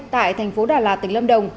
tại thành phố đà lạt tỉnh lâm đồng